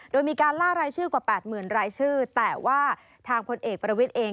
โดยมีการล่ารายชื่อกว่า๘๐๐๐รายชื่อแต่ว่าทางพลเอกประวิทย์เอง